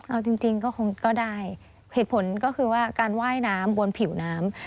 เอาจริงก็คงก็ได้เหตุผลก็คือว่าการว่ายน้ำบนผิวน้ำ